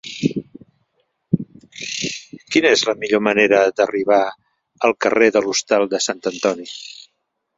Quina és la millor manera d'arribar al carrer de l'Hostal de Sant Antoni?